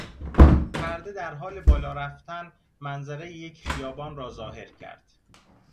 پرده در حال بالا رفتن منظرهی یک خیابان را ظاهر کرد.